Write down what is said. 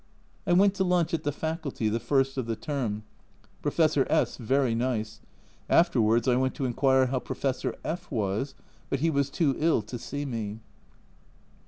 I went to lunch at the Faculty, the first of the term. Professor S very nice ; afterwards I went to inquire how Pro fessor F was, but he was too ill to see me.